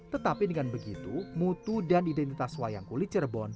tetapi dengan begitu mutu dan identitas wayang kulit cirebon